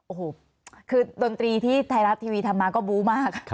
โอ้โหคือดนตรีที่ไทยรัฐทีวีทำมาก็บู๊มาก